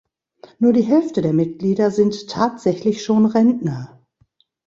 Nur die Hälfte der Mitglieder sind tatsächlich schon Rentner.